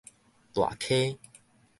大溪